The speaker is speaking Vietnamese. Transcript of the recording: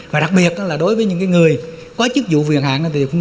và đặc biệt là đối với những cái người có chức vụ quyền hạng